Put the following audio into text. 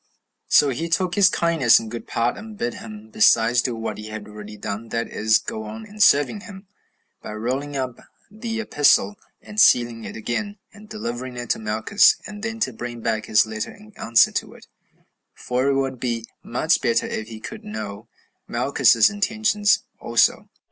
So he took his kindness in good part, and bid him besides do what he had already done, that is, go on in serving him, by rolling up the epistle and sealing it again, and delivering it to Malchus, and then to bring back his letter in answer to it; for it would be much better if he could know Malchus's intentions also.